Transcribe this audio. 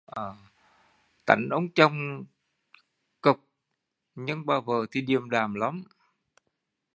Tánh ông chồng cộc nhưng bà vợ thì điềm đạm lắm